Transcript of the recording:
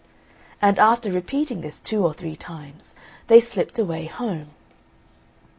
And after repeating this two or three times, they slipped away home.